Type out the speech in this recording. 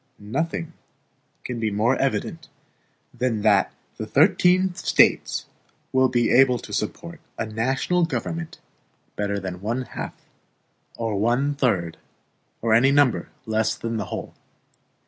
Nothing can be more evident than that the thirteen States will be able to support a national government better than one half, or one third, or any number less than the whole.